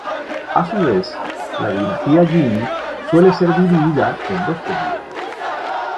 A su vez, la dinastía Jin suele ser dividida en dos periodos.